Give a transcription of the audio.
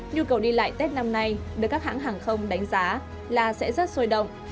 nhu cầu đi lại tết năm nay được các hãng hàng không đánh giá là sẽ rất sôi động